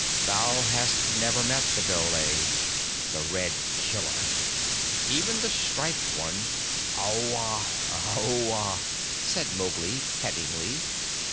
"Thou hast never met the dhole the Red Killer. Even the Striped One " "Aowa! Aowa!" said Mowgli pettingly.